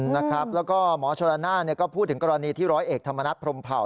นะครับแล้วก็หมอชะละนานเนี่ยก็พูดถึงกรณีที่๑๐เอกธรรมนักพรมเผ่า